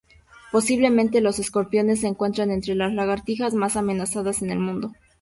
Posiblemente los escorpiones se encuentren entre las lagartijas más amenazadas en el mundo.